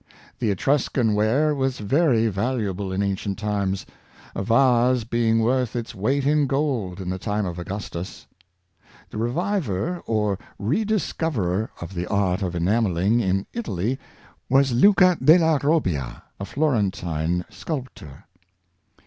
The Etruscan ware was very valuable in ancient The History of Pottery, 191 times, a vase being worth its weight in gold in the time of Augustus. The reviver or re discoverer of the art of enamelHng in Italy was Luca della Robbia, a Florentine sculptor.